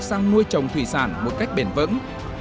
sang nuôi trồng thủy sản một cách bền vững